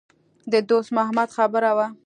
د دوست محمد خبره وه.